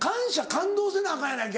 感動せなアカンやない逆に。